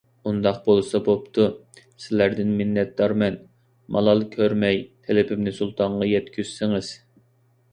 ئۇنداق بولسا بوپتۇ. سىلەردىن مىننەتدارمەن. مالال كۆرمەي تەلىپىمنى سۇلتانغا يەتكۈزسىڭىز.